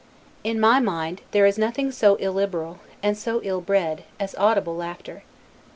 In my mind, there is nothing so illiberal, and so ill bred, as audible laughter.